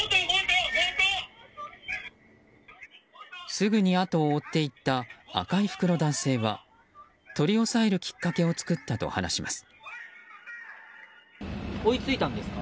すぐにあとを追っていった赤い服の男性は取り押さえるきっかけを作ったと話します。